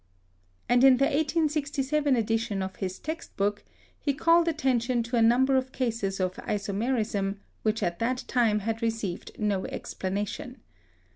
And in the 1867 edition of his text book, he called at tention to a number of cases of isomerism which at that time had received no explanation.